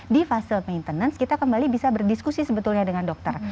di fase maintenance kita kembali bisa berdiskusi sebetulnya dengan dokter